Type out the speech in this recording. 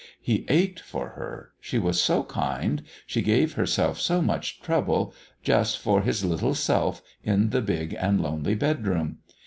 He ached for her, she was so kind, she gave herself so much trouble just for his little self in the big and lonely bedroom.